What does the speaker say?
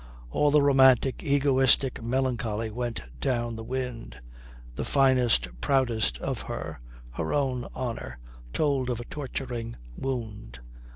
All the romantic, egoistic melancholy went down the wind. The finest, proudest of her, her own honour, told of a torturing wound.